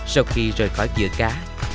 sau khi rời khỏi giữa cá